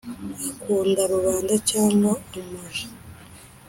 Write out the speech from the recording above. agakunda rubanda cyangwa umuja,